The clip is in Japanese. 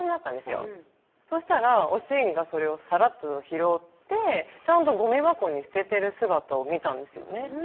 よそしたらおしんがそれをさらっと拾ってちゃんとごみ箱に捨ててる姿を見たんですよね